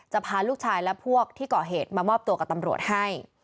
พาลูกชายและพวกที่ก่อเหตุมามอบตัวกับตำรวจให้